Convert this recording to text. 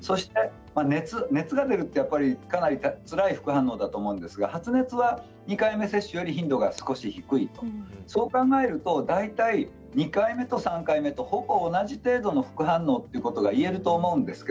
熱が出るというのはかなりつらい副反応ですが発熱は２回目接種より少し頻度が低いそう考えると大体２回目と３回目はほぼ同じ程度の副反応ということが言えると思います。